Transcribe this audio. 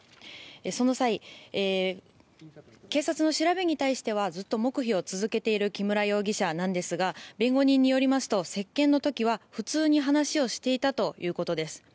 その際、警察の調べに対してはずっと黙秘を続けている木村容疑者ですが弁護人によりますと接見の時は普通に話をしていたということです。